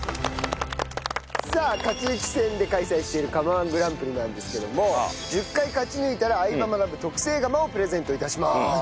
さあ勝ち抜き戦で開催している釜−１グランプリなんですけども１０回勝ち抜いたら『相葉マナブ』特製釜をプレゼント致します。